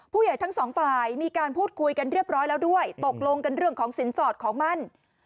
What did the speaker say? ผู้ใหญ่ทั้งสองฝ่ายมีการพูดคุยกันเรียบร้อยแล้วด้วยตกลงกันเรื่องของสินสอดของมั่น